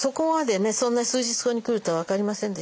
そんな数日後に来るとは分かりませんでしたけどね